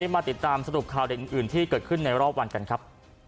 มาติดตามสรุปข่าวเด็กอื่นที่เกิดขึ้นในรอบวันกันครับ